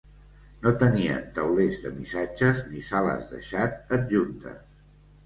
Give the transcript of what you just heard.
No tenien taulers de missatges ni sales de xat adjuntes.